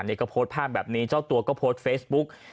นี่ก็โพสต์ภาพแบบนี้เจ้าตัวก็โพสต์เฟซบุ๊ก